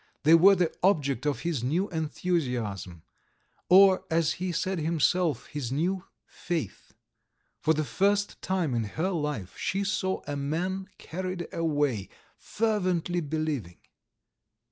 They were the object of his new enthusiasm, or, as he said himself, his new faith! For the first time in her life she saw a man carried away, fervently believing.